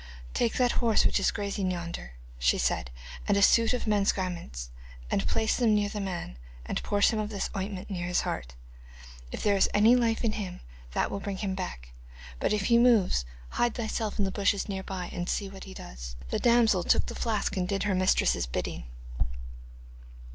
'Take that horse which is grazing yonder,' she said, 'and a suit of men's garments, and place them near the man, and pour some of this ointment near his heart. If there is any life in him that will bring it back. But if he moves, hide thyself in the bushes near by, and see what he does.' The damsel took the flask and did her mistress' bidding.